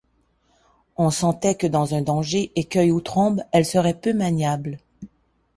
On sentait que dans un danger, écueil ou trombe, elle serait peu maniable.